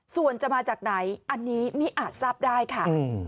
ส่วนจะมาจากไหนอันนี้มิอาจทราบได้ค่ะ